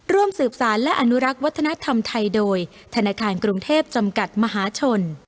ร่วมสืบสารและอนุรักษ์วัฒนธรรมไทยโดยธนาคารกรุงเทพจำกัดมหาชน